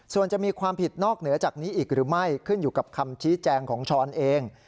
ส่วนจะมีความผิดนอกเหนือจากนี้อีกหรือไม่ขึ้นอยู่กับคำชี้แจงของช้อนเอง